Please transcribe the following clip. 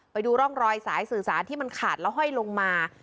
ไปดูร่องรอยสายสื่อสารที่มันขาดแล้วห้อยลงมา